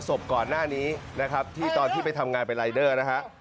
แกก็บอกว่าแกกดตู้เนี่ยมาเป็น๑๐ปีปีแล้ว